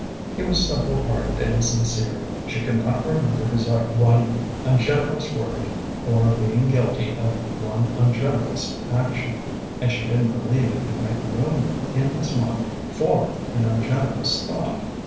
He was simple hearted and sincere; she could not remember his uttering one ungenerous word or being guilty of one ungenerous action, and she didn't believe he could make room in his mind for an ungenerous thought.